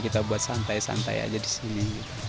kita buat santai santai aja disini